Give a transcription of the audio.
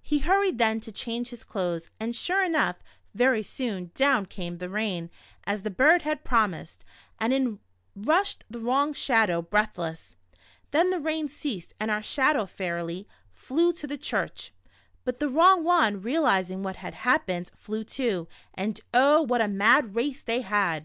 He hurried then to change his clothes, and sure enough, very soon, down came the rain as the bird had promised, and in rushed the wrong Shadow, breathless. Then the rain ceased and our Shadow fairly flew to the church. But the wrong one, real izing what had happened, flew too, and oh, w^hat a mad race they had.